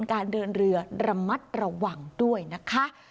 การเดินเรือระมัดระวังด้วยนะคะ